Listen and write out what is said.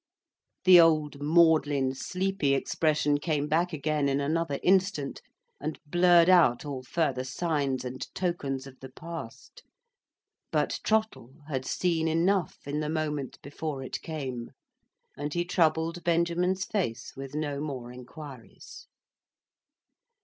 The old maudlin sleepy expression came back again in another instant, and blurred out all further signs and tokens of the past. But Trottle had seen enough in the moment before it came; and he troubled Benjamin's face with no more inquiries.